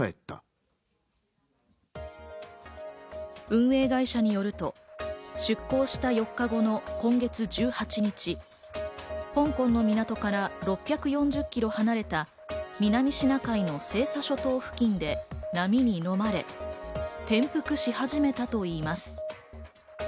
運営会社によると、出航した４日後の今月１８日、香港の港から６４０キロ離れた南シナ海の西沙諸島付近で、波にのまれ、転覆し始めたといいます。